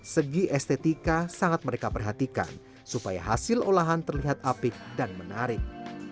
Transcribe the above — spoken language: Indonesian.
segi estetika sangat mereka perhatikan supaya hasil olahan terlihat apik dan menarik